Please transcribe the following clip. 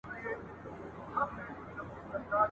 د خیر تمه به نه کوی له تورو خړو وریځو ..